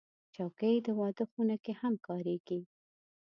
چوکۍ د واده خونه کې هم کارېږي.